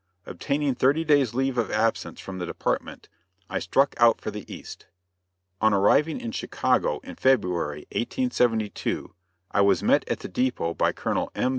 Obtaining thirty days' leave of absence from the department, I struck out for the East. On arriving in Chicago, in February, 1872, I was met at the dépôt by Colonel M.